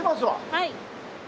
はい。